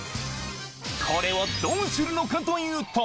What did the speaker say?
これをどうするのかというと。